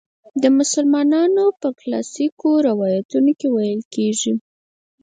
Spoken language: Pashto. د مسلمانانو په کلاسیکو روایتونو کې ویل کیږي.